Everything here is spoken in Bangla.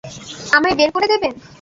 আমায় বের করে দেবেন?